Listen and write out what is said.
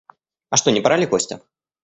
А что, не пора ли, Костя?